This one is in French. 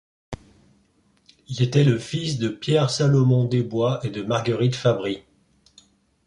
Il était le fils de Pierre-Salomon Desbois et de Marguerite Fabry.